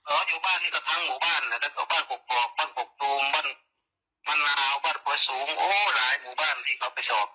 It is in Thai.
อ๋ออยู่บ้านที่กระทั้งหมู่บ้านน่ะแต่ก็บ้านปกปลอกบ้านปกตูมบ้านมะนาวบ้านปวดสูงโอ้หลายหมู่บ้านที่เขาไปชอบ